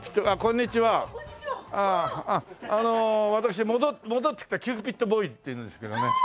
あっあの私戻ってきたキューピッドボーイっていう者ですけどね。